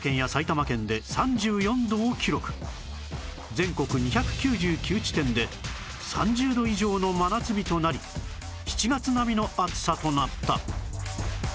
全国２９９地点で３０度以上の真夏日となり７月並みの暑さとなった